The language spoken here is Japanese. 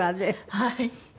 はい。